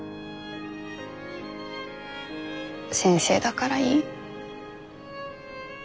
先生だからいい。